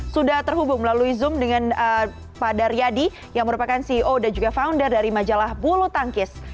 sudah terhubung melalui zoom dengan pak daryadi yang merupakan ceo dan juga founder dari majalah bulu tangkis